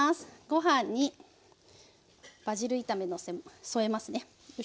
ご飯にバジル炒め添えますねよいしょ。